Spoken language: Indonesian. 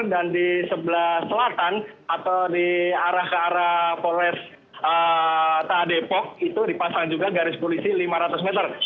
dan di sebelah selatan atau di arah kearah polres t a depok itu dipasang juga garis polisi lima ratus meter